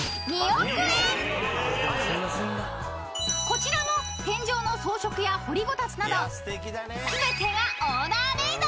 ［こちらも天井の装飾や掘りごたつなど全てが］